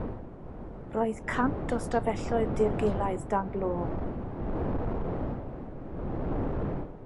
Roedd cant o stafelloedd dirgelaidd dan glo.